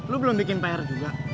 lu belum bikin pr juga